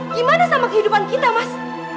gimana sama kehidupan kita mas